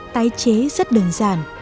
tái chế rất đơn giản